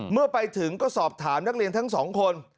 เมื่อไปถึงก็สอบถามนักเรียนทั้งสองคน